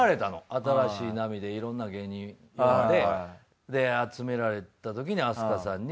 『新しい波』でいろんな芸人呼んでで集められたときに飛鳥さんに。